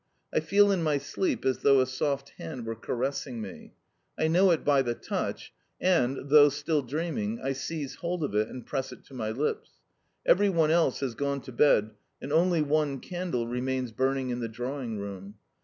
I feel in my sleep as though a soft hand were caressing me. I know it by the touch, and, though still dreaming, I seize hold of it and press it to my lips. Every one else has gone to bed, and only one candle remains burning in the drawing room.